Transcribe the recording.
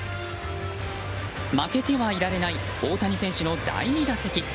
負けてはいられない大谷選手の第２打席。